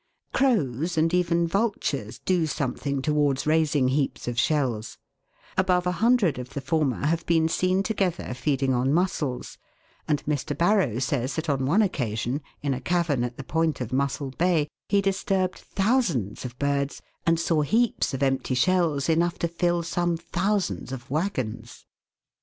Crows, and even vultures, do something towards raising heaps of shells ; above a hundred of the former have been seen together feeding on mussels, and Mr. Barrow says that on one occasion, in a cavern at the point of Mussel Bay, he disturbed thousands of birds, and saw heaps of empty shells enough to fill some thousands of waggons.